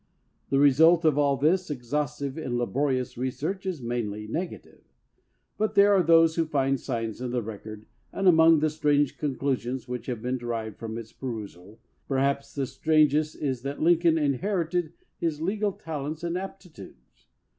The result of all this exhaustive and laborious research is mainly negative; but there are those who find signs in the record, and among the strange conclusions which have been derived from its perusal, perhaps the strangest is that Lincoln inherited his legal talents and aptitudes.